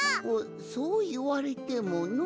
そういわれてものう。